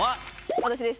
私です。